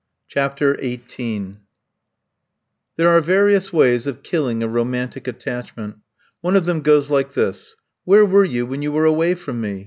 CHAPTER XVIII THERE are various ways of killing a romantic attachment. One of them goes like this: Where were you when you were away from me?